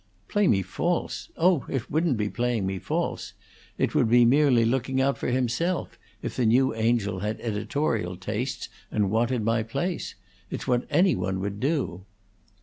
"Play me false? Oh, it wouldn't be playing me false. It would be merely looking out for himself, if the new Angel had editorial tastes and wanted my place. It's what any one would do."